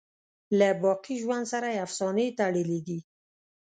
له باقی ژوند سره یې افسانې تړلي دي.